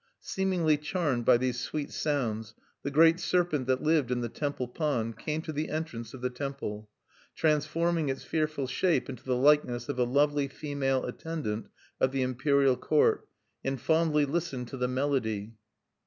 Seemingly charmed by these sweet sounds, the great serpent that lived in the temple pond came to the entrance of the temple, transforming its fearful shape into the likeness of a lovely female attendant of the Imperial Court, and fondly listened to the melody.